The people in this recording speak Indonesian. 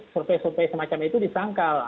survei survei semacam itu disangkal